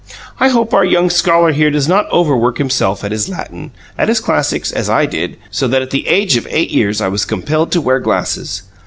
I hope our young scholar here does not overwork himself at his Latin, at his classics, as I did, so that at the age of eight years I was compelled to wear glasses.